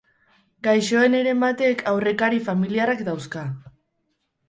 Gaixoen heren batek aurrekari familiarrak dauzka.